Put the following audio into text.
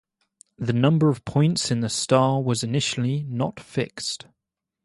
The number of points in the star was initially not fixed.